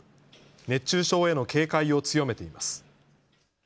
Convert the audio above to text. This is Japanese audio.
熱中症への警戒を強めています。